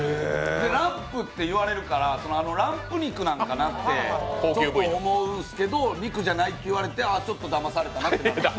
ランプって言われるからランプ肉かなとちょっと思うんですけど、肉じゃないって言われてああ、ちょっとだまされたなって。